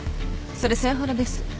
それセンハラです。